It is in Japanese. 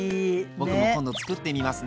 僕も今度つくってみますね。